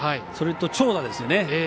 それと長打ですよね。